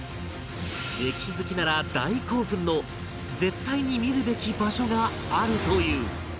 歴史好きなら大興奮の絶対に見るべき場所があるという